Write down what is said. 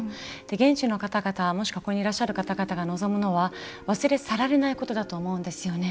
現地の方々、もしくはここにいる方々が望むのは忘れ去られないことだと思うんですね。